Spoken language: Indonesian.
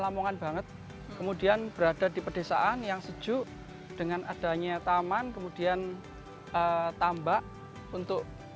lamongan banget kemudian berada di pedesaan yang sejuk dengan adanya taman kemudian tambak untuk